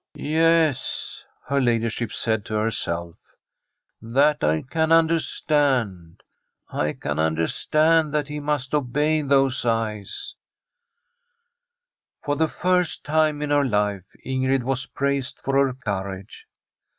* Yes,' her ladyship said to herself, * that I can understand. I can understand that he must obey those eyes.' Tbt STORY of a COUNTRY HOUSE For the first time in her life Ingrid was praised for her courage.